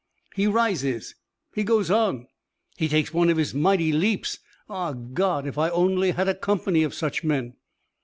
"He rises! He goes on! He takes one of his mighty leaps! Ah, God, if I only had a company of such men!"